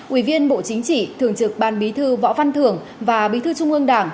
ubnd bộ chính trị thường trực ban bí thư võ văn thưởng và bí thư trung ương đảng